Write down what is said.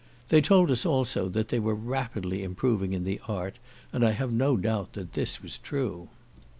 They told us also, that they were rapidly improving in the art, and I have no doubt that this was true.